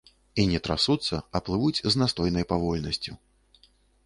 І не трасуцца, а плывуць з настойнай павольнасцю.